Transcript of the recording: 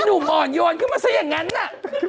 หนุ่มอ่อนโยนขึ้นมาซะอย่างนั้นน่ะ